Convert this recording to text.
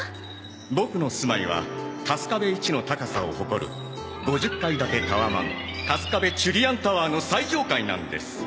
ボクの住まいは春我部一の高さを誇る５０階建てタワマンカスカベチュリアンタワーの最上階なんです。